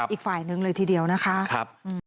อีกฝ่ายหนึ่งเลยทีเดียวนะคะ